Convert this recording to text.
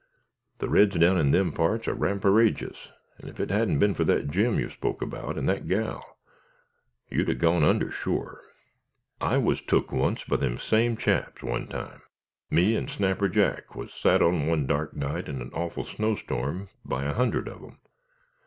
The reds down in them parts are ramparageous, and if it hadn't been for that Jim, you spoke about, and that gal, you'd a gone under sure. I's tuck once by them same chaps one time. Me an' Snapper Jack was sat on one dark night in an awful snowstorm by a hundred on 'em.